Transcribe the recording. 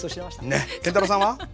建太郎さんは？